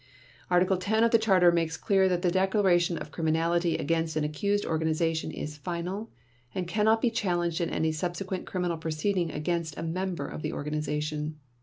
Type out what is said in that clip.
Article 10 of the Charter makes clear that the declaration of criminality against an accused organization is final, and cannot be challenged in any subsequent criminal proceeding against a member of the organization.